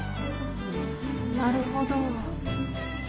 なるほど。